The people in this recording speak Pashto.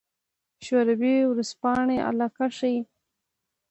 شوروي ورځپاڼې علاقه ښيي.